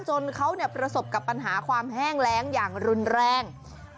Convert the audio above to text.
จนเขาประสบกับปัญหาความแห้งแรงอย่างรุนแรง